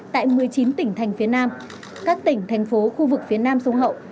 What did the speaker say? tại một mươi chín tỉnh thành phía nam các tỉnh thành phố khu vực phía nam sông hậu